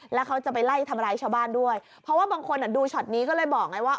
แล้วเขาจะไปไล่ทำร้ายชาวบ้านด้วยเพราะว่าบางคนดูช็อตนี้ก็เลยบอกไงว่า